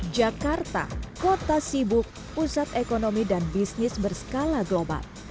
jakarta kota sibuk pusat ekonomi dan bisnis berskala global